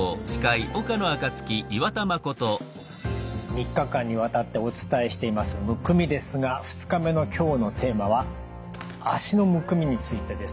３日間にわたってお伝えしています「むくみ」ですが２日目の今日のテーマは脚のむくみについてです。